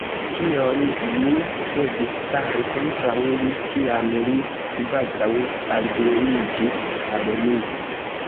Kion mi devis fari kontraŭ li, kiam li kvazaŭ algluiĝis al mi?